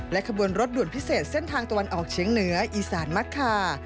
ขบวนรถด่วนพิเศษเส้นทางตะวันออกเฉียงเหนืออีสานมะคา